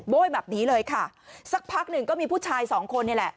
แบบนี้เลยค่ะสักพักหนึ่งก็มีผู้ชายสองคนนี่แหละ